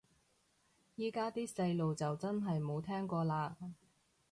依家啲細路就真係冇聽過嘞